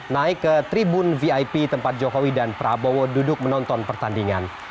naik ke tribun vip tempat jokowi dan prabowo duduk menonton pertandingan